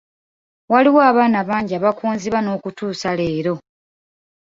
Waliwo abaana bangi abaakonziba n'okutuusa leero.